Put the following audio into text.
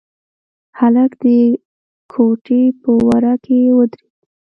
هلک د کوټې په وره کې ودرېد.